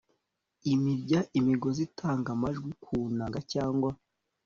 imirya imigozi itanga amajwi ku nanga cyangwa